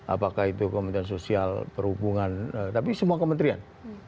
apakah itu kementerian sosial perhubungan tapi semua kementerian